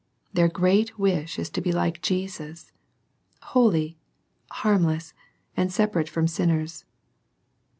Their great wish is to be like Jesus, — holy, harmless, and separate from sinners.